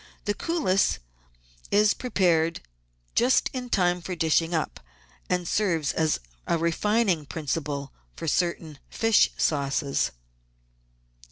This cullis is prepared just in time for dishing up, and serves as a refining principle in certain fish sauces.